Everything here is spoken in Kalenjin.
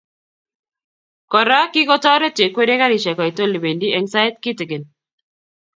Kora kikotoret cheikwerie karisiek koit olebendi eng sait kitikin